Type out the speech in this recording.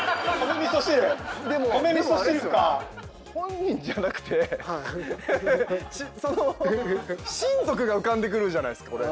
でも本人じゃなくて親族が浮かんでくるじゃないですかこれ。